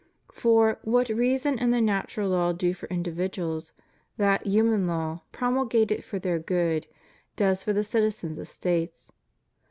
For, what reason and the natural law do for individuals, that human law, promulgated for their good, does for the citizens of States.